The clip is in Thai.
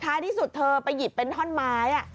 ที่สุดเธอไปหยิบเป็นท่อนไม้